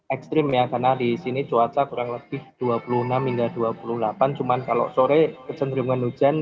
ekstrim ya karena di sini cuaca kurang lebih dua puluh enam hingga dua puluh delapan cuman kalau sore kecenderungan hujan